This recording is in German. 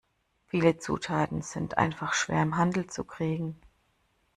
Viele Zutaten sind einfach schwer im Handel zu kriegen.